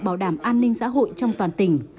bảo đảm an ninh xã hội trong toàn tỉnh